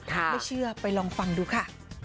ไม่เชื่อไปลองฟังดูค่ะ